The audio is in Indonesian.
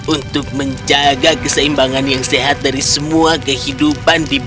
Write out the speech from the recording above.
untuk menjaga keseimbangan yang sehat dari semua kehidupan